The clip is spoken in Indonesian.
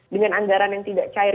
dengan anggaran yang tidak cair